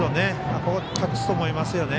ここは託すと思いますね。